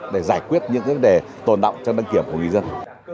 để giải quyết những vấn đề tồn động trong đăng kiểm của người dân